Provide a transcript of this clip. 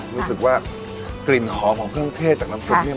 รู้สึกว่ากลิ่นหอมของเครื่องเทศจากน้ำซุปเนี่ย